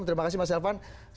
terima kasih mas elvan